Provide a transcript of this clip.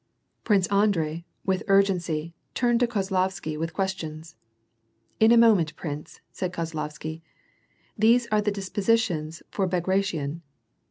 Prince Andrei, with urgency, turned to Kozlovsky with questions. In a moment, prince," said Kozlovsky, " These are the dispositions for Bagration."